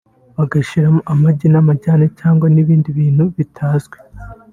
bagashyiramo amajyane n’amagi cyangwa n’ibindi bintu bitazwi